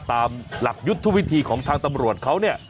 ตามหลักยุทธวิธีของทางตำรวจเขาเนี่ย